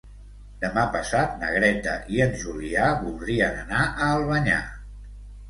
Demà passat na Greta i en Julià voldrien anar a Albanyà.